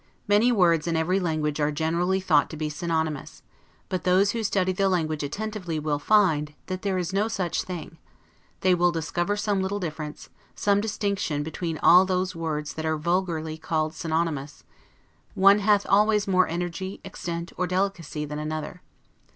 Many words in every language are generally thought to be synonymous; but those who study the language attentively will find, that there is no such thing; they will discover some little difference, some distinction between all those words that are vulgarly called synonymous; one hath always more energy, extent, or delicacy, than another.